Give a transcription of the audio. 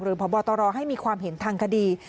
พบตรให้มีความเห็นทางคดี